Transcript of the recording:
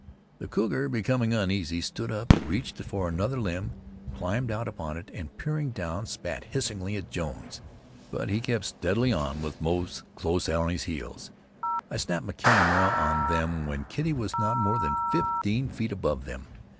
The cougar, becoming uneasy, stood up, reached for another limb, climbed out upon it, and peering down, spat hissingly at Jones. But he kept steadily on with Moze close on his heels. I snapped my camera on them when Kitty was not more than fifteen feet above them.